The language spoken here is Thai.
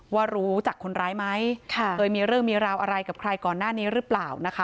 ว่ารู้จักคนร้ายไหมเคยมีเรื่องมีราวอะไรกับใครก่อนหน้านี้หรือเปล่านะคะ